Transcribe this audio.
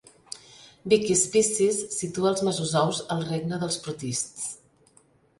Wikispecies situa els mesozous al regne dels protists.